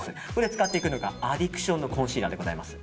使っていくのがアディクションのコンシーラーでございます。